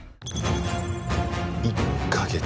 １か月。